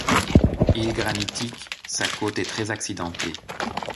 Ile granitique, sa côte est très accidentée.